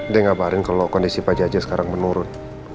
dia ngabarin kalo kondisi pak jajah sekarang menurun